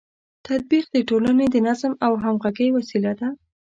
تطبیق د ټولنې د نظم او همغږۍ وسیله ده.